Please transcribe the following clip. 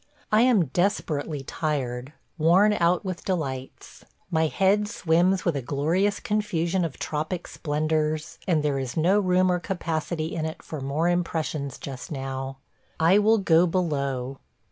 I am desperately tired – worn out with delights. My head swims with a glorious confusion of tropic splendors, and there is no room or capacity in it for more impressions just now. I will go below.